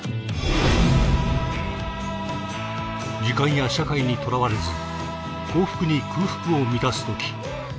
時間や社会にとらわれず幸福に空腹を満たすとき